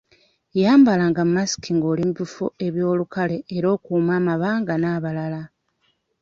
Yambalanga masiki ng'oli mu bifo eby'olukale era okuume amabanga n'abalala.